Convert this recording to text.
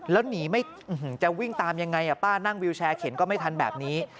แล้วหนีไม่จะวิ่งตามยังไงป้านั่งวิวแชร์เข็นก็ไม่ทันแบบนี้